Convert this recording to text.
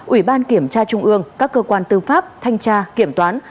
ủy ban kiểm tra trung ương các cơ quan tư pháp thanh tra kiểm toán